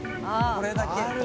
「これだけ」